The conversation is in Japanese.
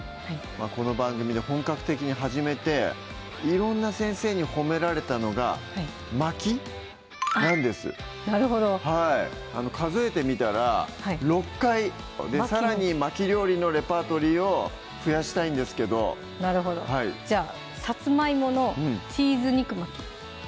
この番組で本格的に始めて色んな先生に褒められたのが「巻き」なんですなるほど数えてみたら６回さらに巻き料理のレパートリーを増やしたいんですけどなるほどじゃあ「さつまいものチーズ肉巻き」